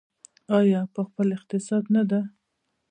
آیا او په خپل اقتصاد نه ده؟